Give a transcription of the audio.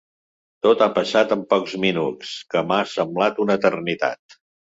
Tot ha passat en pocs minuts, que m’han semblat una eternitat.